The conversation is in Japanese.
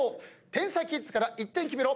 天才キッズから１点決めろ。